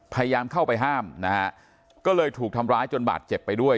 พยายามเข้าไปห้ามนะฮะก็เลยถูกทำร้ายจนบาดเจ็บไปด้วย